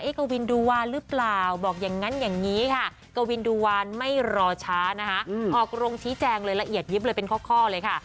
ออกโรงชี้แจงเลยละเอียดยิบเลยเป็นข้อเลยค่ะ